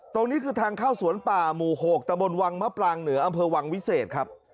ตรงนี้คือทางเข้าสวนป่าหมู่๖ตะบนวังมะปรางเหนืออำเภอวังวิเศษครับ